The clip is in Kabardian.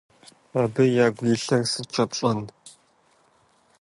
Абы ягу илъыр сыткӀэ пщӀэн?